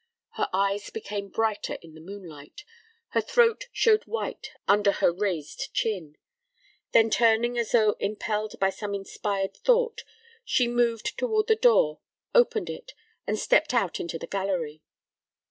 Her eyes became brighter in the moonlight. Her throat showed white under her raised chin. Then turning as though impelled by some inspired thought, she moved toward the door, opened it, and stepped out into the gallery.